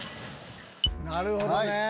なるほどね！